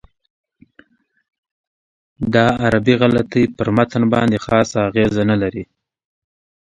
دا عربي غلطۍ پر متن باندې خاصه اغېزه نه لري.